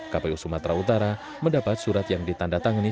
kpu sumatera utara mendapat surat yang ditanda tangani